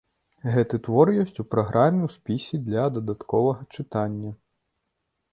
Гэты твор ёсць у праграме ў спісе для дадатковага чытання.